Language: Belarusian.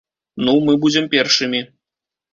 Ну, мы будзем першымі.